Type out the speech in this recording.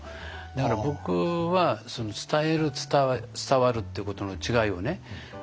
だから僕は伝える伝わるってことの違いをね